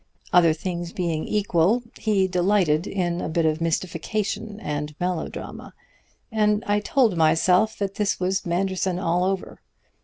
Other things being equal, he delighted in a bit of mystification and melodrama, and I told myself that this was Manderson all over.